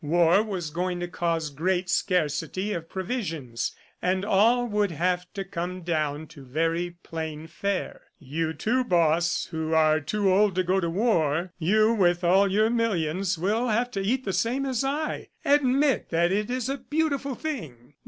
War was going to cause great scarcity of provisions, and all would have to come down to very plain fare. "You, too, Boss, who are too old to go to war you, with all your millions, will have to eat the same as I. ... Admit that it is a beautiful thing."